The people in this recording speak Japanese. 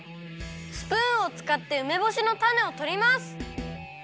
スプーンをつかってうめぼしのたねをとります！